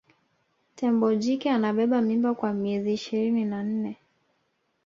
tembo jike anabeba mimba kwa miezi ishirini na nne